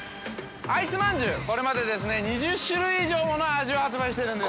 あいすまんじゅう、これまで２０種類以上もの味を発売しているんです。